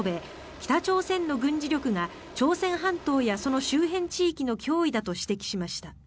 北朝鮮の軍事力が朝鮮半島や、その周辺地域の脅威だと指摘しました。